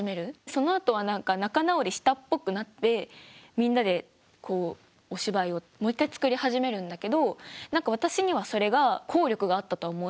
そのあとは何か仲直りしたっぽくなってみんなでこうお芝居をもう一回作り始めるんだけど何か私にはそれが効力があったとは思えない。